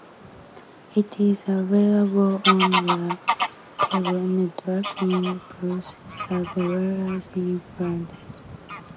It is available on the cable network in Brussels as well as in Flanders.